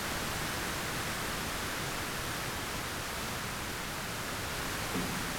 Hatun Chakuqa para mitayuqmi ñataq rupay mitayuqpas.